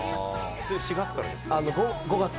それ４月からですか？